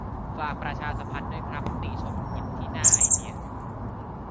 ฝากประชาสัมพันธ์ด้วยครับ ติชมกดที่หน้า "ไอเดีย"